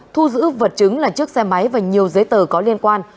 thu giữ vật chứng là chiếc xe máy và nhiều giấy tờ có liên quan